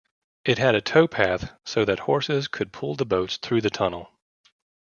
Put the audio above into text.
It had a towpath so that horses could pull the boats through the tunnel.